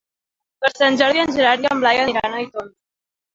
Per Sant Jordi en Gerard i en Blai aniran a Aitona.